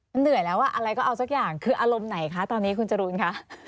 มันเหนื่อยแล้วอะไรก็เอาสักอย่างคืออารมณ์ไหนคะตอนนี้คุณจรูนคะ